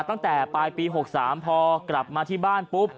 ตั้งแต่ปลายปี๖๓พอกลับมาที่บ้านปุ๊บ